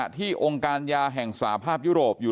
ก็คือเป็นการสร้างภูมิต้านทานหมู่ทั่วโลกด้วยค่ะ